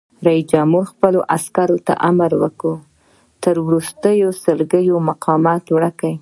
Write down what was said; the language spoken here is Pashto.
رئیس جمهور خپلو عسکرو ته امر وکړ؛ تر وروستۍ سلګۍ مقاومت وکړئ!